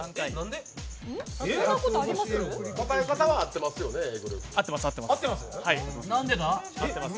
答え方は合ってますよね、Ａぇ！